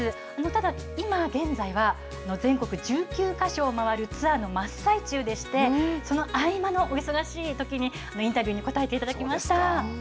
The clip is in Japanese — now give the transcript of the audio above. ただ、今現在は全国１９か所を回るツアーの真っ最中でして、その合間のお忙しいときに、インタビューに答えていただきました。